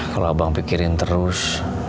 kalau bang pikirin terus